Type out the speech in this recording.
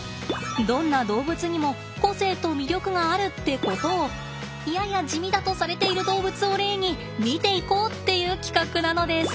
どんな動物にも個性と魅力があるってことをやや地味だとされている動物を例に見ていこうっていう企画なのです。